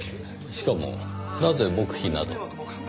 しかもなぜ黙秘など。